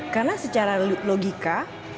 karena secara logika